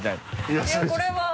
いやこれは。